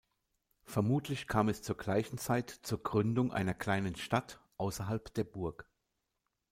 Vermutlich kam es zur gleichen Zeit zur Gründung einer kleinen Stadt außerhalb der Burg.